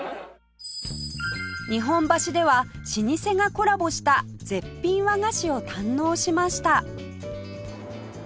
日本橋では老舗がコラボした絶品和菓子を堪能しました